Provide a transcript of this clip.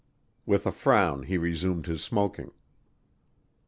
With a frown he resumed his smoking.